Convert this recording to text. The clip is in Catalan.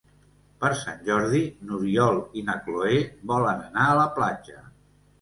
Per Sant Jordi n'Oriol i na Cloè volen anar a la platja.